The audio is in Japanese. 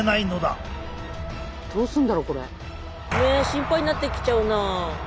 心配になってきちゃうな。